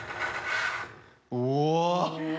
うわ。